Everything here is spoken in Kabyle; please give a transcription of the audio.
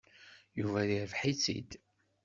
Yuba yerbeḥ-itt-id.